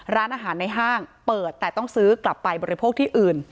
ร้านอาหารในห้างเปิดแต่ต้องซื้อกลับไปบริโภคที่อื่น